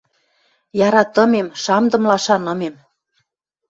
«Яратымем, шамдымла шанымем.